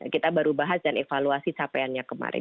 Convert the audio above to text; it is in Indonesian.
kita baru bahas dan evaluasi capaiannya kemarin